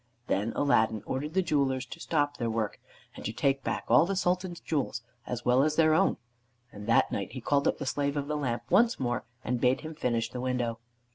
Then Aladdin ordered the jewelers to stop their work, and to take back all the Sultan's jewels as well as their own. And that night he called up the Slave of the Lamp once more, and bade him finish the window.